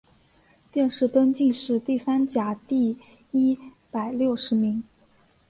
殿试登进士第三甲第一百六十名。